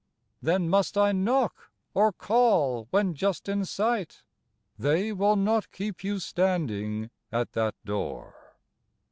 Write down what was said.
Then must I knock, or call when just in sight? They will not keep you standing at that door.